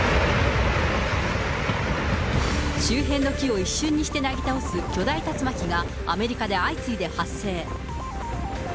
周辺の木を一瞬にしてなぎ倒す巨大竜巻がアメリカで相次いで発生。